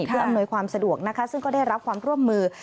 เพื่ออำนวยความสะดวกนะคะซึ่งก็ได้รับความร่วมมือ